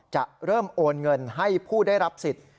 จะเริ่มโอนเงินให้ผู้ได้รับสิทธิ์